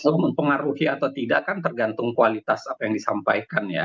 kalau mempengaruhi atau tidak kan tergantung kualitas apa yang disampaikan ya